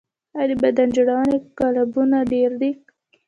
آیا د بدن جوړونې کلبونه ډیر شوي؟